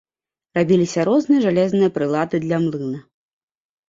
Рабіліся розныя жалезныя прылады для млына.